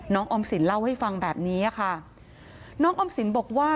ออมสินเล่าให้ฟังแบบนี้ค่ะน้องออมสินบอกว่า